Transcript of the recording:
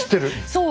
そう。